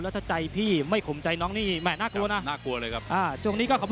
แล้วถ้าใจพี่ไม่ขุมใจน้องนี่